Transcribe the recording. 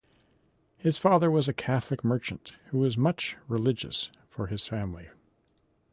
His father was a Catholic merchant, who was much religious for his family.